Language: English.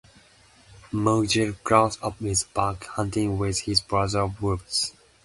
Mowgli grows up with the pack, hunting with his brother wolves.